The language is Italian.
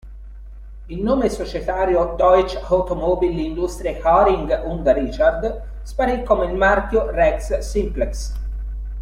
Il nome societario "Deutsche Automobil-Industrie Hering und Richard" sparì come il marchio Rex-Simplex.